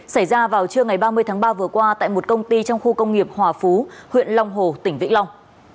xảy ra vào trưa ngày ba mươi tháng ba vừa qua tại một công ty trong khu công nghiệp hòa phú huyện long hồ tỉnh vĩnh long